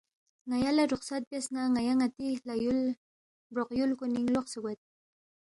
ن٘یا لہ رخصت بیاس نہ ن٘یا ن٘تی ہلا یُول، بروق یُول کُنِنگ لوقسےگوید